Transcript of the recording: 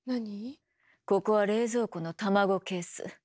ここは冷蔵庫の卵ケース。